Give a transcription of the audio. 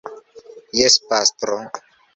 Jes, pastro.